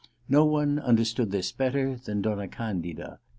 No one imderstood this better than Donna Candida.